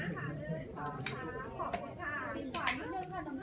สวัสดีครับ